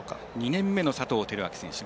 ２年目の佐藤輝明選手。